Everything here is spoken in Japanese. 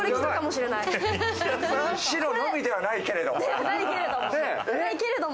白のみではないけれど。